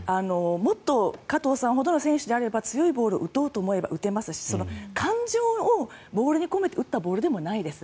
もっと加藤さんほどの選手であれば強いボールを打とうと思えば打てますし感情をボールに込めて打ったボールでもないです。